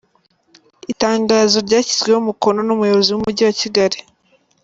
Itangazo ryashyizweho umukono n’Umuyobozi w’Umujyi wa Kigali, .